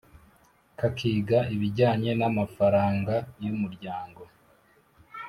kakiga ibijyanye n amafaranga y umuryango